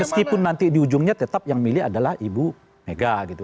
meskipun nanti di ujungnya tetap yang milih adalah ibu mega gitu